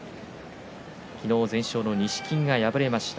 昨日、全勝の錦木が敗れました。